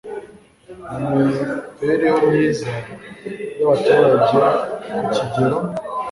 ku mibereho myiza y abaturage ku kigero